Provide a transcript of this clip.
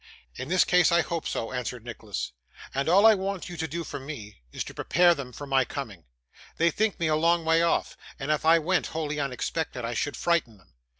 'In this case I hope so,' answered Nicholas. 'And all I want you to do for me, is, to prepare them for my coming. They think me a long way off, and if I went wholly unexpected, I should frighten them.